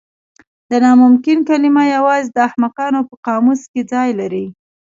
د ناممکن کلمه یوازې د احمقانو په قاموس کې ځای لري.